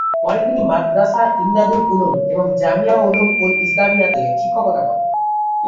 পরে তিনি মাদ্রাসা ইমদাদুল উলুম এবং জামিয়া উলুম-উল-ইসলামিয়াতে শিক্ষকতা করেন।